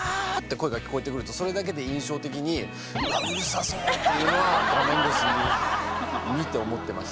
声が聞こえてくるとそれだけで印象的に「うわうるさそう」っていうのは画面越しに見て思ってましたね。